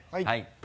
はい。